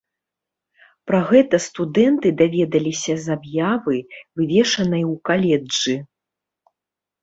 Пра гэта студэнты даведаліся з аб'явы, вывешанай ў каледжы.